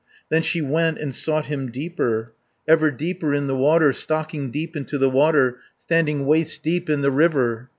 Then she went and sought him deeper, Ever deeper in the water, Stocking deep into the water, Standing waist deep in the water.